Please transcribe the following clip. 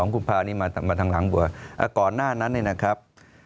๑๒กุมภาคมนี้มาทางหลังบัวก่อนหน้านั้นนะครับ